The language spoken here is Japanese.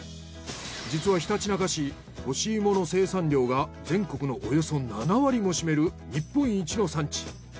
実はひたちなか市干し芋の生産量が全国のおよそ７割も占める日本一の産地。